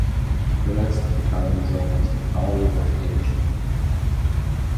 The rest of the town is almost entirely residential.